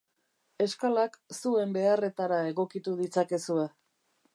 Eskalak zuen beharretara egokitu ditzakezue.